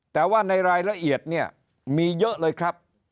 แต่ว่าในรายละเอียดเนี่ยมีเยอะเลยครับ